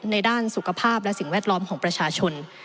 ด้านสุขภาพและสิ่งแวดล้อมของประชาชน